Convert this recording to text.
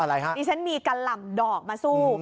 อันนี้ฉันมีกล่ำดอกเตือนมัดซู